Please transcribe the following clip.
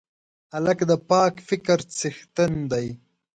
هلک د پاک فکر څښتن دی.